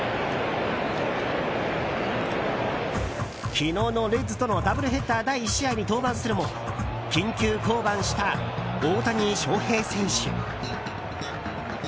昨日のレッズとのダブルヘッダー第１試合に登板するも緊急降板した大谷翔平選手。